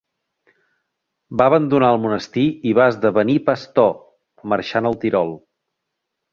Va abandonar el monestir i va esdevenir pastor, marxant al Tirol.